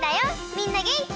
みんなげんき？